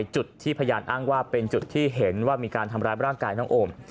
จุดที่พยานอ้างว่าเป็นจุดที่เห็นว่ามีการทำร้ายร่างกายน้องโอม